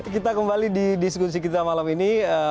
kita kembali di diskusi kita malam ini